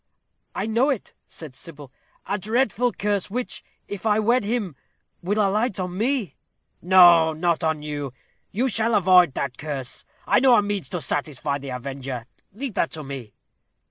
"I know it," said Sybil; "a dreadful curse, which, if I wed him, will alight on me." "No; not on you; you shall avoid that curse. I know a means to satisfy the avenger. Leave that to me."